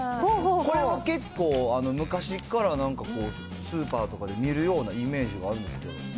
これは結構、昔っからなんかこう、スーパーとかで見るようなイメージがあるんですけど。